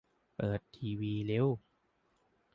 เปิดทีวีเร็ว